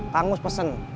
kang mus pesen